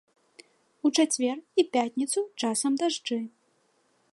У чацвер і пятніцу часам дажджы.